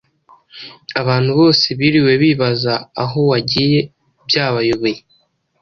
Abantu bose biriwe bibaza aho wagiye byabayobeye.